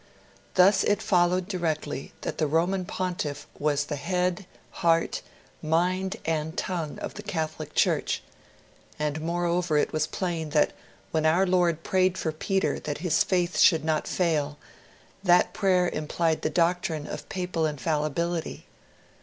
Thus it followed directly that the Roman Pontiff was the head, heart, mind, and tongue of the Catholic Church; and moreover, it was plain that when Our Lord prayed for Peter that his faith should not fail, that prayer implied the doctrine of Papal Infallibility.